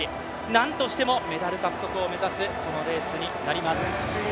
なんとしてもメダル獲得を目指す、このレースになります。